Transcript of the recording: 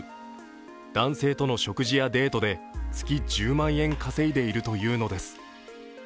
男性との食事やデートで月１０万円稼いでいるというのです。